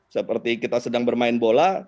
seperti kita sedang bermain bola